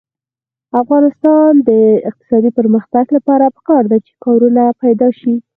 د افغانستان د اقتصادي پرمختګ لپاره پکار ده چې کارونه پیدا شي.